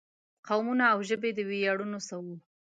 قومونه او ژبې د ویاړونو څه وو.